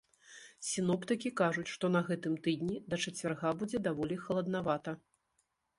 Сіноптыкі кажуць, што на гэтым тыдні да чацвярга будзе даволі халаднавата.